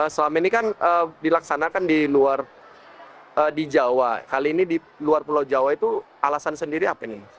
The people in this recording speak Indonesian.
selama ini kan dilaksanakan di luar di jawa kali ini di luar pulau jawa itu alasan sendiri apa nih